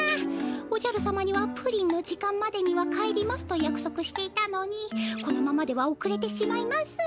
おじゃる様にはプリンの時間までには帰りますとやくそくしていたのにこのままではおくれてしまいます。